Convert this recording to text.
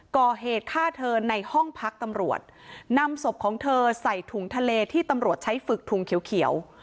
ก่อเหตุฆ่าเธอในห้องพักตำรวจนำศพของเธอใส่ถุงทะเลที่ตำรวจใช้ฝึกถุงเขียวเขียว